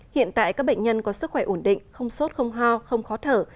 hiện tại các bệnh nhân có sức khỏe ổn định không sốt không ho không khó thở